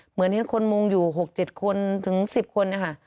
เหมือนเห็นคนมุงอยู่๖๗คนถึง๑๐คนนะคะ